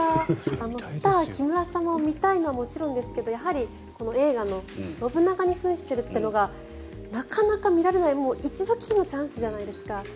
スター、木村様を見たいのはもちろんですがやはり、映画の信長に扮しているというのがなかなか見られない一度きりのチャンスじゃないですか。